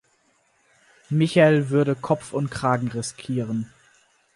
Michael würde Kopf und Kragen riskieren.